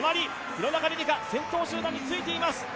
廣中璃梨佳、先頭集団についています。